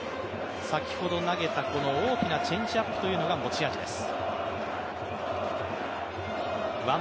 先ほど投げたこの大きなチェンジアップというのが持ち味です。